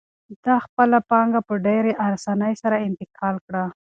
ده خپله پانګه په ډېرې اسانۍ سره انتقال کړه.